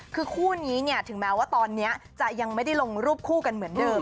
คือคู่นี้เนี่ยถึงแม้ว่าตอนนี้จะยังไม่ได้ลงรูปคู่กันเหมือนเดิม